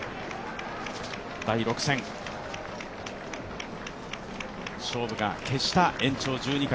第６戦、勝負が決した延長１２回。